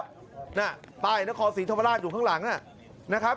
น่ะป้ายนครศรีธรรมราชอยู่ข้างหลังนะครับ